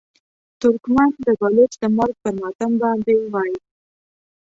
ترکمن د بلوڅ د مرګ پر ماتم باندې وایي.